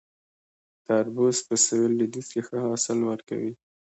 تربوز په سویل لویدیځ کې ښه حاصل ورکوي